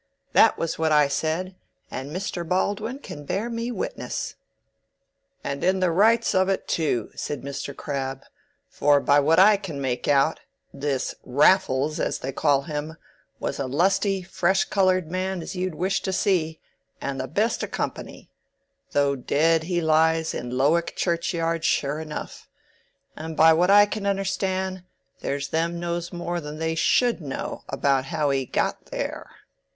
That was what I said, and Mr. Baldwin can bear me witness." "And in the rights of it too," said Mr. Crabbe. "For by what I can make out, this Raffles, as they call him, was a lusty, fresh colored man as you'd wish to see, and the best o' company—though dead he lies in Lowick churchyard sure enough; and by what I can understan', there's them knows more than they should know about how he got there."